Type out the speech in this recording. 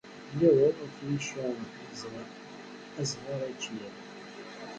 Lliɣ uɣiɣ f yicca azɣar ač iḍ.